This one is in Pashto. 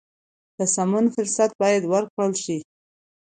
د سمون فرصت باید ورکړل شي.